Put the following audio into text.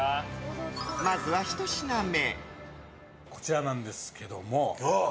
まずは１品目。